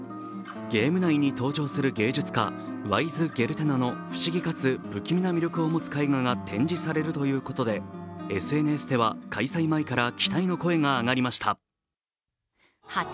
ゲーム内に登場する芸術家ワイズ・ゲルテナの不思議かつ不気味な魅力を持つ絵画が展示されるということでＳＮＳでは開催前から期待の声が上がりました。